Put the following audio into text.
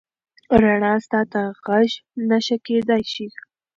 رڼا ستا د غږ نښه کېدی شي.